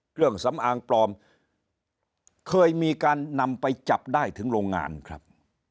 เครื่องสำอางปลอมเคยมีการนำไปจับได้ถึงโรงงานครับ